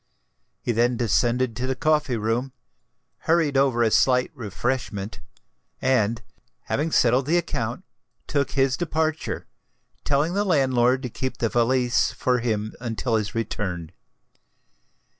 He then descended to the coffee room, hurried over a slight refreshment, and, having settled the account, took his departure, telling the landlord to keep the valise for him until his return.